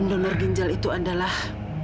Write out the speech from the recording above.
pendonor ginjal itu adalah